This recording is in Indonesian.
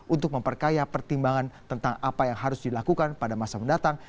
untuk memperkaya pertimbangan tentang apa yang harus dilakukan pada masa mendatang